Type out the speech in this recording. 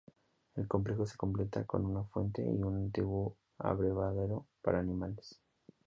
El complejo se completa con una fuente y con un antiguo abrevadero para animales.